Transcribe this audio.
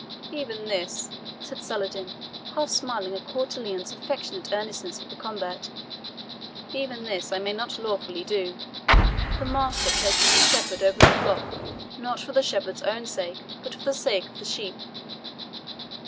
"Even this," said Saladin, half smiling at Coeur de Lion's affectionate earnestness for the combat "even this I may not lawfully do. The master places the shepherd over the flock not for the shepherd's own sake, but for the sake of the sheep.